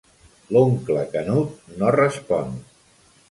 L'oncle Canut no respon.